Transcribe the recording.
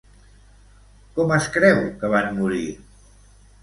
Com es creu que van morir?